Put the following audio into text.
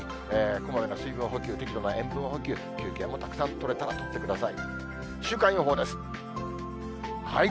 こまめな水分補給、適度な塩分補給、休憩もたくさん取れたら取ってください。